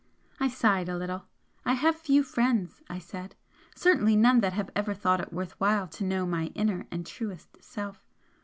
I sighed a little. "I have few friends," I said "Certainly none that have ever thought it worth while to know my inner and truest self.